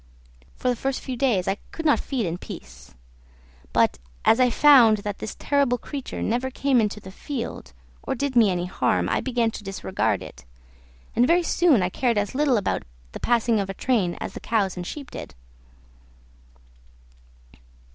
For the first few days I could not feed in peace; but as I found that this terrible creature never came into the field, or did me any harm, I began to disregard it, and very soon I cared as little about the passing of a train as the cows and sheep did.